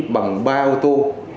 bằng ba ô tô